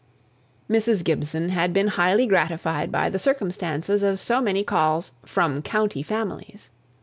Mrs. Gibson had been highly gratified by the circumstance of so many calls "from county families."